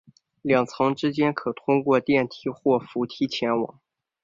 两层之间可通过电梯或扶梯前往。